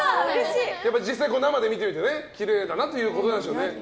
実際、生で見てるときれいだなってことでしょうね。